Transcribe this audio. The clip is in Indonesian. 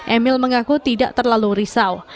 emil mengaku tidak terlalu risau